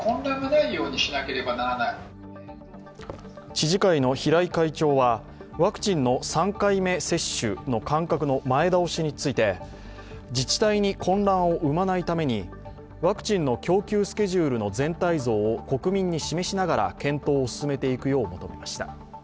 知事会の平井会長は、ワクチンの３回目接種の間隔の前倒しについて、自治体に混乱を生まないためにワクチンの供給スケジュールの全体像を国民に示しながら検討を進めていくよう求めました。